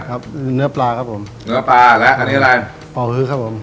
เนื้อปลาครับผมเนื้อปลาและอันนี้อะไรป่อพื้นครับผม